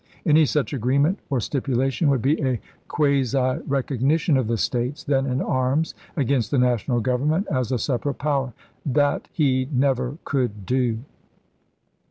Any such agree ment, or stipulation, would be a quasi recognition st" wJ?8' of the States then in arms against the National theesSS» Government, as a separate power. That he never p eos." could do."